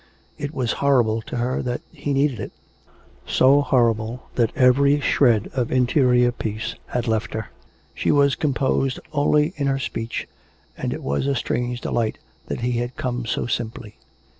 It was horrible to her that he needed it — so horrible that every shred of interior peace had left her; she was composed only in her speech, and it was a strange delight that he 'had come so simply.